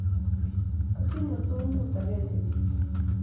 Atinye somut akenge kityo.